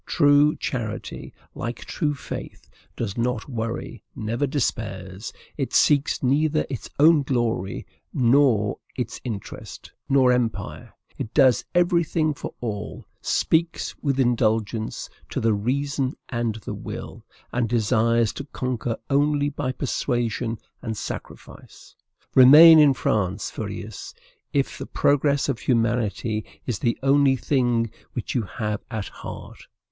True charity, like true faith, does not worry, never despairs; it seeks neither its own glory, nor its interest, nor empire; it does every thing for all, speaks with indulgence to the reason and the will, and desires to conquer only by persuasion and sacrifice. Remain in France, Fourierists, if the progress of humanity is the only thing which you have at heart!